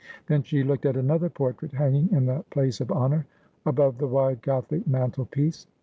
Then she looked at another portrait hanging in the place of honour above the wide Gothic mantelpiece.